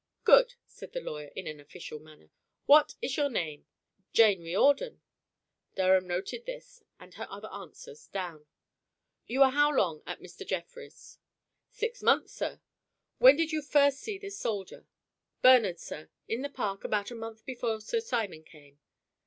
"Good!" said the lawyer in an official manner. "What is your name?" "Jane Riordan." Durham noted this and her other answers down. "You were how long at Mr. Jefferies?" "Six months, sir." "When did you first see this soldier?" "Bernard, sir. In the Park, about a month before Sir Simon came."